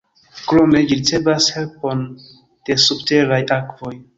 Krome ĝi ricevas helpon de subteraj akvoj.